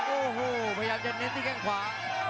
โอ้โหพยายามจะเน้นที่แข้งขวา